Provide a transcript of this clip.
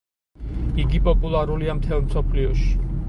იგი პოპულარულია მთელ მსოფლიოში.